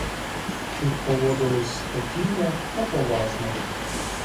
Тут поводились спокійно та поважно.